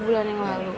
tiga bulan yang lalu